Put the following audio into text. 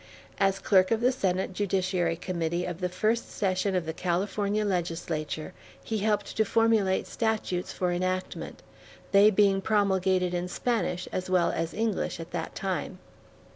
As clerk of the Senate Judiciary Committee of the first session of the California Legislature, he helped to formulate statutes for enactment, they being promulgated in Spanish as well as English at that time.